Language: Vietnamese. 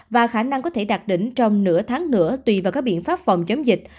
và khả năng có thể đạt đỉnh trong nửa tháng nữa tùy vào các biện pháp phòng chống dịch